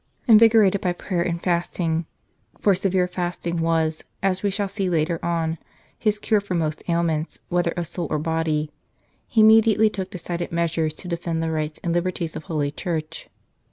Invigorated by prayer and fasting for severe fasting was, as we shall see later on, his cure for most ailments, whether of soul or body he immediately took decided measures to defend the rights and liberties of Holy Church.